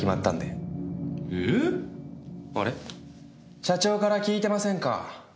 社長から聞いてませんか？